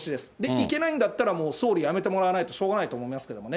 行けないんだったら、もう総理辞めてもらわないとしょうがないと思いますけどね。